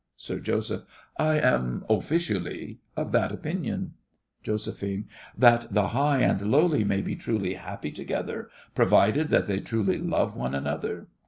SIR JOSEPH. I am officially of that opinion. JOS. That the high and the lowly may be truly happy together, provided that they truly love one another?